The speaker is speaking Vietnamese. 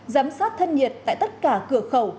giám sát thân nhiệt tại tất cả cửa khẩu